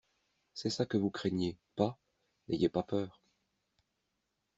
C'est ça que vous craigniez, pas ? N'ayez pas peur.